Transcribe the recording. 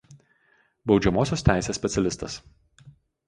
Baudžiamosios teisės specialistas.